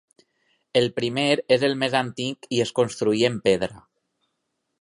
El primer és el més antic i es construí en pedra.